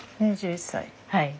はい。